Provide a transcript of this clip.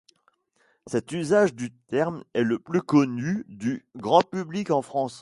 Cet usage du terme est le plus connu du grand public en France.